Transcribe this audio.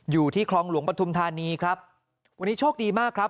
อยู่ที่คลองหลวงปฐุมธานีครับวันนี้โชคดีมากครับ